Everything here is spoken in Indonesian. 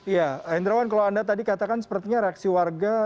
ya hendrawan kalau anda tadi katakan sepertinya reaksi warga